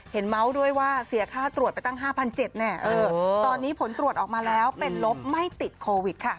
เมาส์ด้วยว่าเสียค่าตรวจไปตั้ง๕๗๐๐แน่ตอนนี้ผลตรวจออกมาแล้วเป็นลบไม่ติดโควิดค่ะ